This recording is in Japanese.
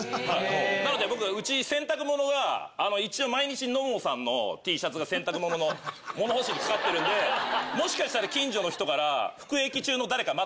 なので僕うち洗濯物が一応毎日野茂さんのＴシャツが洗濯物の物干しにかかってるんでもしかしたら近所の人から。